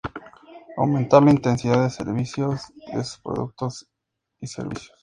Aumentar la intensidad de servicios de sus productos y servicios.